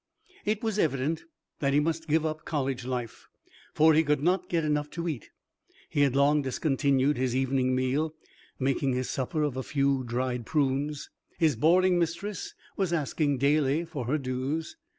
It was evident that he must give up college life, for he could not get enough to eat. He had long discontinued his evening meal, making his supper of a few dried prunes. His boarding mistress was asking daily for her dues.